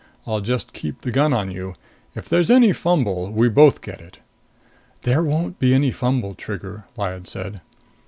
I'll just keep the gun on you. If there's any fumble, we both get it." "There won't be any fumble, Trigger," Lyad said.